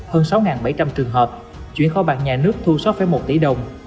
hơn sáu bảy trăm linh trường hợp chuyển kho bạc nhà nước thu sáu một tỷ đồng